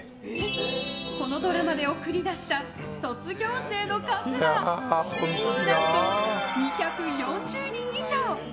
このドラマで送り出した卒業生の数は何と２４０人以上。